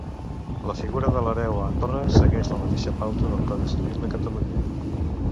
La figura de l’hereu a Andorra segueix la mateixa pauta del Codi Civil de Catalunya.